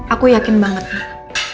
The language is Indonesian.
aku yakin banget mbak